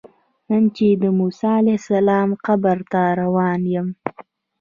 نن چې د موسی علیه السلام قبر ته روان یم.